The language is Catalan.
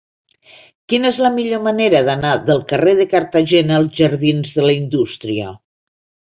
Quina és la millor manera d'anar del carrer de Cartagena als jardins de la Indústria?